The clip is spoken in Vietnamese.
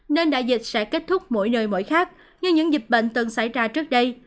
nên đại dịch sẽ kết thúc mỗi nơi mỗi khác như những dịch bệnh từng xảy ra trước đây